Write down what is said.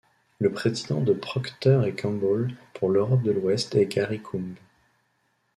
Le président de Procter & Gamble pour l'Europe de l'Ouest est Gary Coombe.